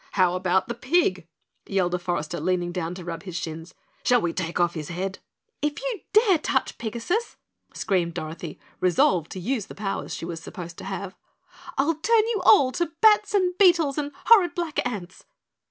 "How about the pig?" yelled a forester, leaning down to rub his shins. "Shall we take off his head?" "If you dare touch Pigasus," screamed Dorothy, resolved to use the powers she was supposed to have, "I'll turn you all to bats and beetles and horrid black ants."